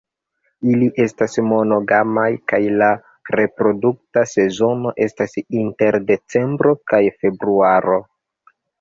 Ili estas monogamaj kaj la reprodukta sezono estas inter decembro kaj februaro.